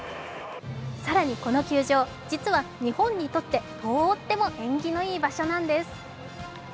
更にこの球場、実は日本にとってとーっても縁起のいい場所なんです。